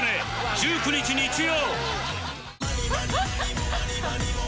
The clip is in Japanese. １９日日曜